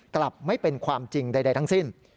กลับไม่เป็นความจริงใดทั้งสิ้น